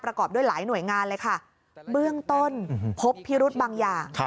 ประกอบด้วยหลายหน่วยงานเลยค่ะเบื้องต้นพบพิรุธบางอย่าง